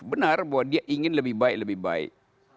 benar bahwa dia ingin lebih baik lebih baik